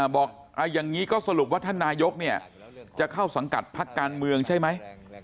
บอกอย่างนี้ก็สรุปว่าท่านนายกจะเข้าสังกัดพักการเมืองใช่ไหม